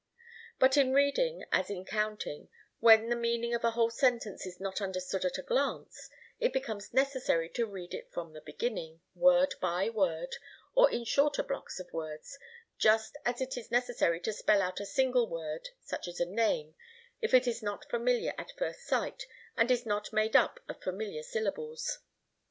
But in reading, as in counting, when the meaning of a whole sentence is not understood at a glance, it becomes necessary to read it from the beginning, word by word, or by shorter blocks of words, just as it is necessary to spell out a single word, such as a name, if it is not familiar at first sight, and is not made up of familiar syllables.